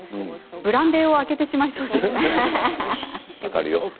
ブランデーを開けてしまいそうになります。